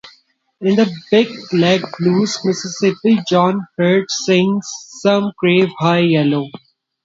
In "Big Leg Blues," Mississippi John Hurt sings: "Some crave high yellow.